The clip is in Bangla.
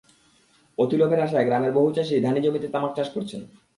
অতি লাভের আশায় গ্রামের বহু চাষি ধানি জমিতে তামাক চাষ করছেন।